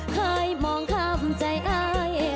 เคยมองคำใจอาย